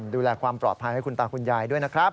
ดูแลความปลอดภัยให้คุณตาคุณยายด้วยนะครับ